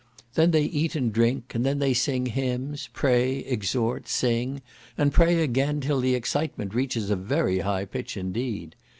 They then eat and drink; and then they sing hymns, pray, exhort, sing, and pray again, till the excitement reaches a very high pitch indeed.